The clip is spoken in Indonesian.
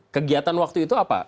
kegiatan waktu itu apa